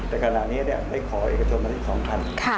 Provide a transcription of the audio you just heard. ดังนั้นให้ขอเอกชนมาให้ค่ะ